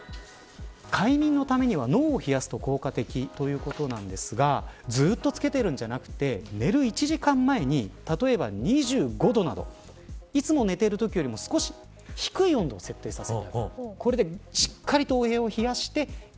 快眠のためには脳を冷やすと効果的ということなんですがずっとつけているんじゃなくて寝る１時間前に例えば、２５度などいつも寝ているときよりも少し低い温度に設定する。